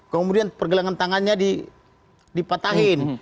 kemudian pergelangan tangannya dipatahkan